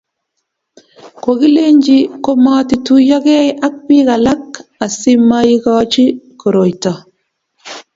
kokilenchi komotituyo gei ak biik alak asimaikochi koroito